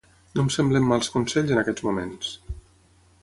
No em semblen mals consells en aquests moments.